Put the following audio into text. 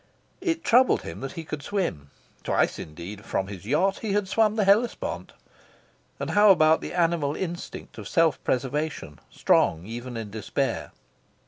It troubled him that he could swim. Twice, indeed, from his yacht, he had swum the Hellespont. And how about the animal instinct of self preservation, strong even in despair?